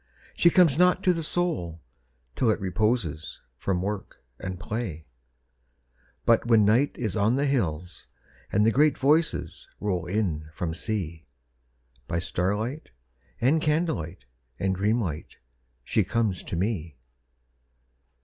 She comes not to the Soul till it reposes From work and play. But when Night is on the hills, and the great Voices Roll in from Sea, By starlight and candle light and dreamlight She comes to me.